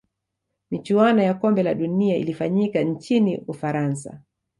michuano ya kombe la dunia ilifanyika nchini ufaransa